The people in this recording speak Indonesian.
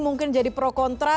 mungkin jadi pro kontra